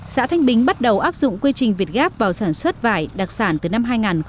xã thanh bính bắt đầu áp dụng quy trình việt gáp vào sản xuất vải đặc sản từ năm hai nghìn một mươi